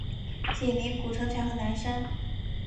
紧邻古城墙和南山。